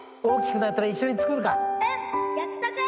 大きくなったら一緒に作るか。